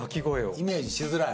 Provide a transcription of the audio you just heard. イメージしづらい。